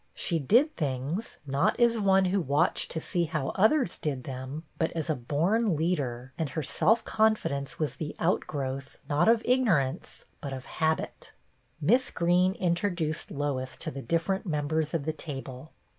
She did things, not as one who watched to see how others did them, but as a born leader, and her self confidence was the outgrowth not of ignorance but of habit. Miss Greene introduced Lois to the differ ent members of the table.